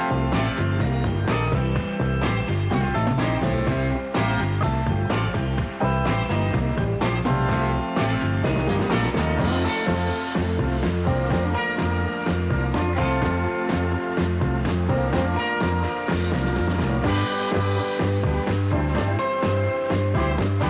อุ๊ดเดินมา